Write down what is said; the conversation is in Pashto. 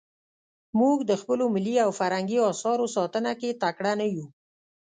موږ د خپلو ملي او فرهنګي اثارو ساتنه کې تکړه نه یو.